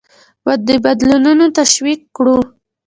د بدلونونه تشویق کړو.